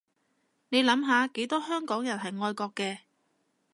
你諗下幾多香港人係愛國嘅